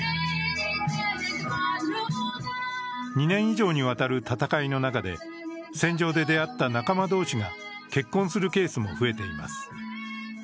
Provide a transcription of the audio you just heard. ２年以上にわたる戦いの中で、戦場で出会った仲間同士が結婚するケースも増えています。